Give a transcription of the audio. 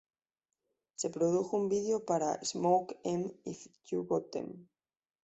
Se produjo un video para "Smoke 'Em If Ya Got' Em".